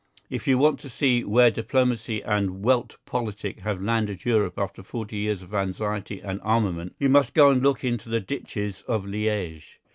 If you want to see where diplomacy and Welt Politik have landed Europe after forty years of anxiety and armament, you must go and look into the ditches of Liège.